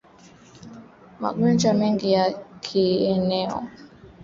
Magonjwa mengine ya kieneo